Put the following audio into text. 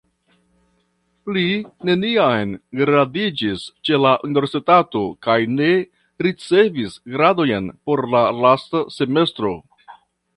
Li neniam gradiĝis ĉe la universitato kaj ne ricevis gradojn por la lasta semestro.